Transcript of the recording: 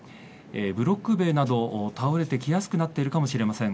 ブロック塀など倒れてきやすくなっているかもしれません。